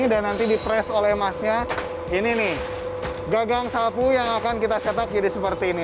dan nanti di press oleh emasnya ini nih gagang sapu yang akan kita cetak jadi seperti ini